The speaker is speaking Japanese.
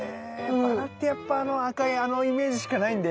バラってやっぱ赤いあのイメージしかないんで。